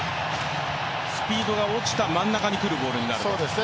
スピードが落ちた真ん中に落ちたボールになります。